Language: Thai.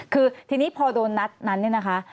คือทีนี้พอโดนนัดนั้นนะคะ